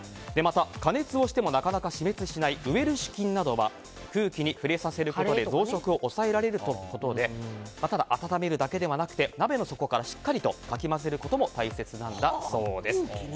また、加熱をしてもなかなか死滅しないウエルシュ菌などは空気に触れさせることで増殖を抑えられるとのことでただ温めるだけではなくて鍋の底からしっかりとかき混ぜることも大切なんだそうです。